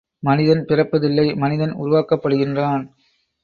மனிதன் பிறப்பதில்லை மனிதன் உருவாக்கப்படுகின்றான்.